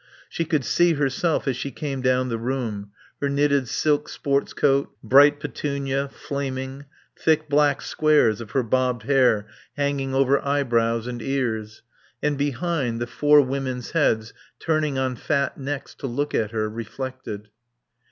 She could see herself as she came down the room; her knitted silk sport's coat, bright petunia, flaming; thick black squares of her bobbed hair hanging over eyebrows and ears. And behind, the four women's heads turning on fat necks to look at her, reflected.